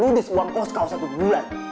lu udah sebuang kos kau satu bulan